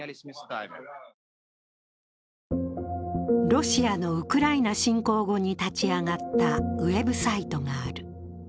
ロシアのウクライナ侵攻後に立ち上がったウェブサイトがある。